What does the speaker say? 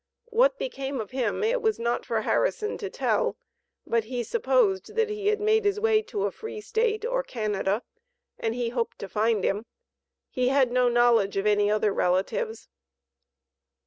What became of him it was not for Harrison to tell, but he supposed that he had made his way to a free State, or Canada, and he hoped to find him. He had no knowledge of any other relatives.